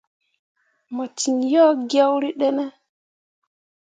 Mo ciŋ yo gyõrîi ɗine.